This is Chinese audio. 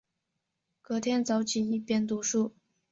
隔天早起一边读书